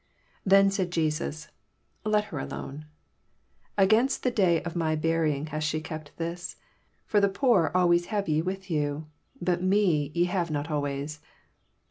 7 Then said Jesus, Let her alone: against the day of my buying hath she kept this. 8 For the poor always ye have with you: but me ye have not always.